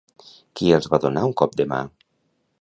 Qui els va donar un cop de mà?